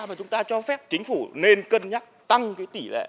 và chúng ta cho phép chính phủ nên cân nhắc tăng tỷ lệ